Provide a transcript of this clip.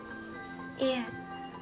いえ。